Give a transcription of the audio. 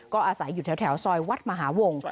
ก็อาศัยอยู่แถวซอยวัดมหาวง